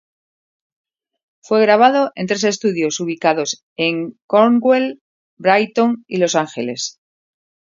Fue grabado en tres estudios ubicados en Cornwall, Brighton, y Los Ángeles.